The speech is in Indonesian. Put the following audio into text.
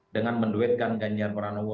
dengan menduetkan ganyar pranowo